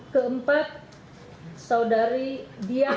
ketiga saudara dari dari